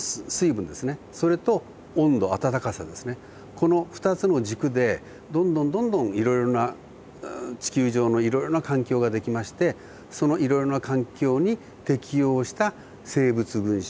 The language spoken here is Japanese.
この２つの軸でどんどんどんどんいろいろな地球上のいろいろな環境が出来ましてそのいろいろな環境に適応した生物群集。